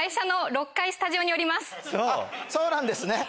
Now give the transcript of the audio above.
あっそうなんですね！